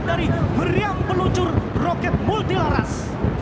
dari meriam peluncur roket multilaras